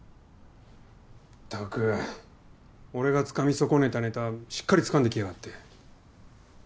ったく俺がつかみ損ねたネタしっかりつかんできやがって。